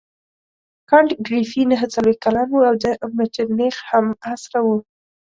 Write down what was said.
کانت ګریفي نهه څلوېښت کلن وو او د مټرنیخ همعصره وو.